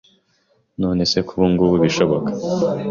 Nonese ko ubu ngubu bishoboka